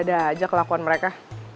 ada aja kelakuan mereka